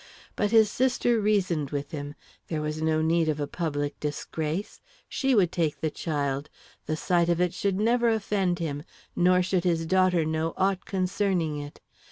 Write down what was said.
But his sister reasoned with him there was no need of a public disgrace; she would take the child, the sight of it should never offend him, nor should his daughter know aught concerning it.